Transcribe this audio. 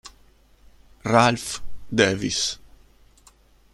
Ralph Davis